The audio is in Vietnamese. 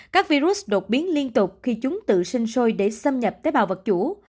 các virus đột biến liên tục khi chúng tự sinh sôi để xâm nhập tế bào vật chủ